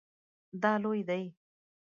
دا لوی دی